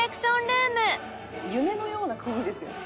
「夢のような国ですよね